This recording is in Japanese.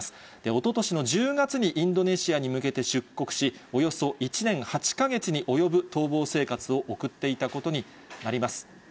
おととしの１０月にインドネシアに向けて出国し、およそ１年８か月に及ぶ逃亡生活を送っていたことになります。